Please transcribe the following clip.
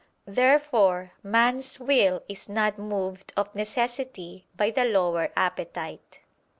Therefore man's will is not moved of necessity by the lower appetite.